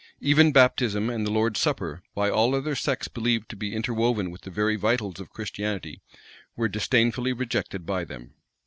Even baptism and the Lord's supper, by all other sects believed to be interwoven with the very vitals of Christianity, were disdainfully rejected by them.